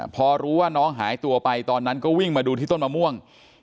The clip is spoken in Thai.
พอรู้ว่าน้องหายตัวไปตอนนั้นก็วิ่งมาดูที่ต้นมะม่วง